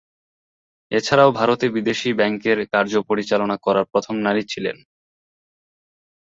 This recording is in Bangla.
এছাড়াও ভারতে বিদেশী ব্যাংকের কার্য পরিচালনা করা প্রথম নারী ছিলেন।